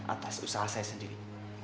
atas usaha saya sendiri